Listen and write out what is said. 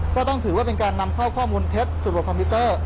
ก็ต้องถือว่าเป็นการนำเข้าข้อมูลเท็จสู่ระบบคอมพิวเตอร์